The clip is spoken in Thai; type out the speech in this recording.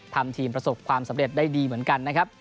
ทำทีมประสบความสำเร็จได้ดีเหมือนกันนะครับ